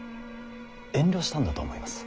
遠慮したんだと思います。